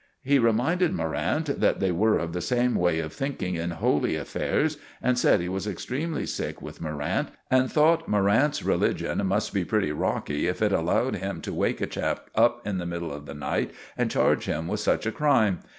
He reminded Morrant that they were of the same way of thinking in holy affairs, and said he was extremely sick with Morrant, and thought Morrant's religion must be pretty rocky if it allowed him to wake a chap up in the night and charge him with such a crime.